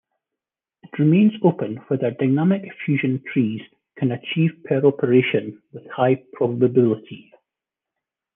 It remains open whether dynamic fusion trees can achieve per operation with high probability.